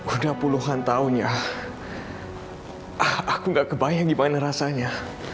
udah puluhan tahun ya aku gak kebayang gimana rasanya